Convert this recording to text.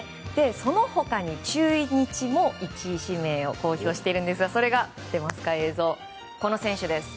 その他に中日も１位指名を公表しているんですがそれが、この選手です。